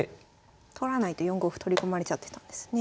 取らないと４五歩取り込まれちゃってたんですね。